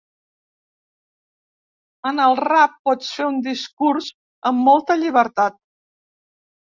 En el rap pots fer un discurs amb molta llibertat.